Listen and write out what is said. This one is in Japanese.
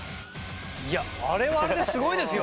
いやあれはあれですごいですよ。